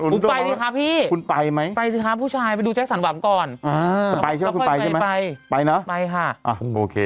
คุณไปสิค่ะพี่ไปสิค่ะผู้ชายไปดูแจ็คสันหวับก่อนแล้วค่อยไปไปไปค่ะโอเค